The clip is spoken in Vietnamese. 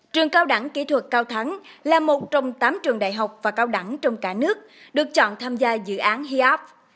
trường cao đẳng kỹ thuật cao thắng là một trong tám trường đại học và cao đẳng trong cả nước được chọn tham gia dự án heop